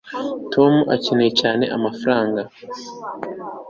tom akeneye cyane amafaranga